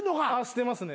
してますね。